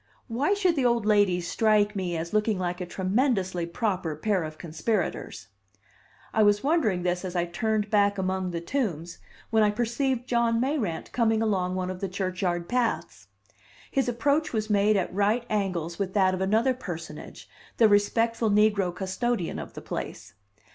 Why should the old ladies strike me as looking like a tremendously proper pair of conspirators? I was wondering this as I turned back among the tombs, when I perceived John Mayrant coming along one of the churchyard paths. His approach was made at right angles with that of another personage, the respectful negro custodian of the place.